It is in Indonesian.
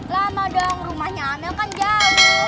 lama dong rumahnyakamil kan jauh